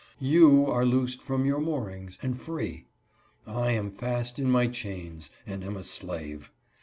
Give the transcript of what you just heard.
" You are loosed from your moorings, and free. I am fast in my chains, and am a slave